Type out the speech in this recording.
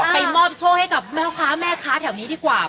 ไปมอบโชคให้กับแม่ค้าแม่ค้าแถวนี้ดีกว่า